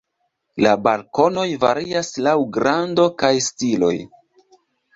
La balkonoj varias laŭ grando kaj stiloj.